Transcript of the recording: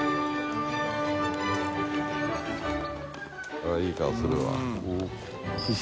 あぁいい顔するわ。